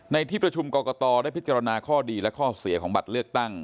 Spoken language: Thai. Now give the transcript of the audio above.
ในที่ประชุมกรกตได้พิจารณาข้อดีและข้อเสียของบัตรเลือกตั้ง